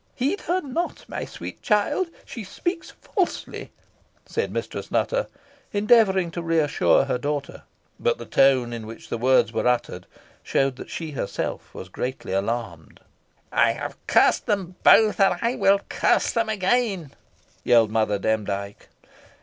"Heed her not, my sweet child she speaks falsely," said Mistress Nutter, endeavouring to re assure her daughter; but the tone in which the words were uttered showed that she herself was greatly alarmed. "I have cursed them both, and I will curse them again," yelled Mother Demdike.